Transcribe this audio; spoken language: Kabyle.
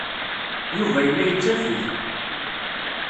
Yuba yella yettafeg.